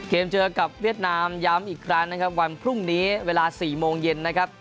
เกมเจอกับเวียดนามย้ำอีกครั้งนะครับวันพรุ่งนี้เวลา๔โมงเย็นนะครับ